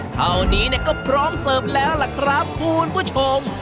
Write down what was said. เท่านี้ก็พร้อมเสิร์ฟแล้วล่ะครับคุณผู้ชม